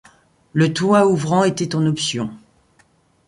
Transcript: Le toit ouvrant était en option.